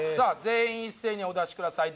全員一斉にお出しください